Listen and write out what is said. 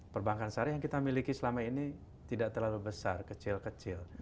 perbankan syariah yang kita miliki selama ini tidak terlalu besar kecil kecil